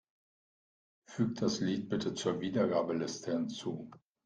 Füg das Lied bitte zur Wiedergabeliste hinzu.